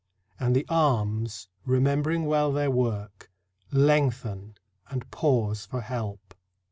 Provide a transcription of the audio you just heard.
" and the arms, remembering well their work, Lengthen and pause for help.